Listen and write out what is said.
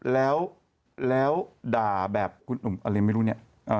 แล้วด่าแบบอะไรไม่รู้เนี่ย